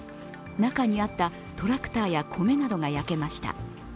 中にあったトラクターや米などが焼けました。